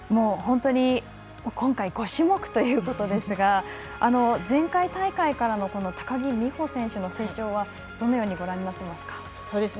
今回５種目ということですが前回大会からの高木美帆選手の成長はどのようにご覧になってますか。